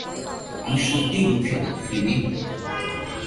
আমি সত্যিই দুঃখিত, ফিনি।